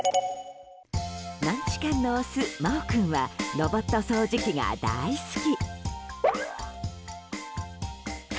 マンチカンのオス、まお君はロボット掃除機が大好き。